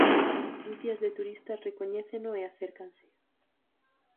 Ducias de turistas recoñéceno e acércanse.